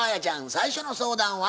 最初の相談は？